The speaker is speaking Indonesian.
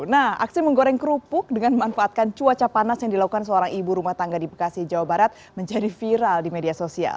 nah aksi menggoreng kerupuk dengan memanfaatkan cuaca panas yang dilakukan seorang ibu rumah tangga di bekasi jawa barat menjadi viral di media sosial